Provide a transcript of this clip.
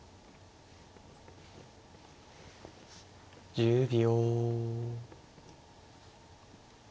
１０秒。